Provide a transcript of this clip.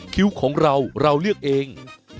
คิ้วของเราเราเลือกเอง